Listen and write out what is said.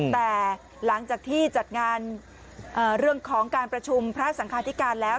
แต่หลังจากที่จัดงานเรื่องของการประชุมพระสังคาธิการแล้ว